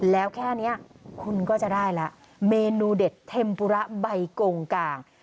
แล้วแค่นี้คุณก็จะได้แล้วเมนูเด็ดเทมปุระใบกงกลาง